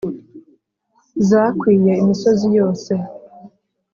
Zakwiye imisozi yose